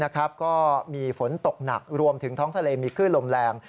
ก็มีฝนตกหนักรวมถึงท้องทะเลมีคลื่นลมแรง